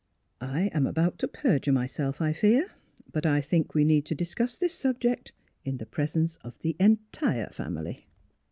" I am about to perjure myself, I fear, but I think we need to discuss this subject in the pres ence of the entire family."